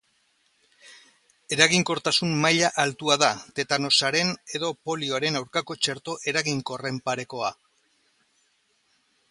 Eraginkortasun maila altua da, tetanosaren edo polioaren aurkako txerto eraginkorren parekoa.